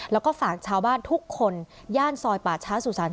แล้วก็ฝากชาวบ้านทุกคนย่านซอยป่าช้าสุสาน๒